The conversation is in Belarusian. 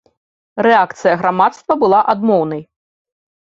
Рэакцыя грамадства была адмоўнай.